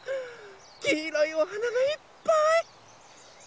きいろいおはながいっぱい！